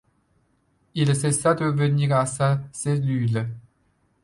Il cessa de venir à sa cellule.